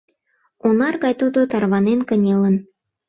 Онар гай тудо тарванен кынелын